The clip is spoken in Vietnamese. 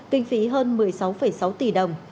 kinh phí hơn một mươi sáu sáu tỷ đồng